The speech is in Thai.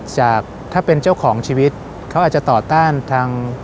จากถ้าเป็นเจ้าของชีวิตเขาอาจจะต่อต้านทาง